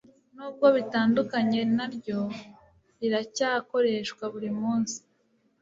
nubwo bitandukanye naryo riracyakoreshwa buri munsi